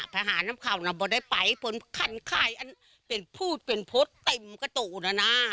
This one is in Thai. ไปหาน้ำเข่าน้ำบ่ได้ไปผมคันค่ายอันเป็นพูดเป็นพูดเต็มก็ตัวน่ะน่ะ